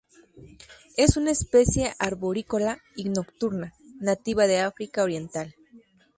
Es una especie arborícola y nocturna, nativa de África Oriental.